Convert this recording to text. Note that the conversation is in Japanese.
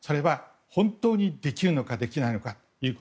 本当にできるのかできないのか。